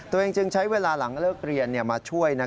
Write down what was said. ตัวเองจึงใช้เวลาหลังเลิกเรียนมาช่วย